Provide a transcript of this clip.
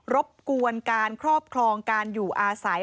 รบกวนการครอบครองการอยู่อาศัย